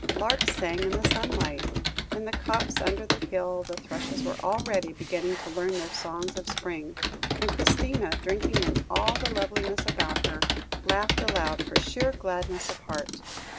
Larks sang in the sunlight; in the copse under the hill the thrushes were already beginning to learn their songs of spring; and Christina, drinking in all the loveliness about her, laughed aloud for sheer gladness of heart.